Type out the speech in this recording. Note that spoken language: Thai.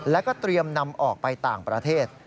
แล้วก็เตรียมนำออกไปต่างประเทศ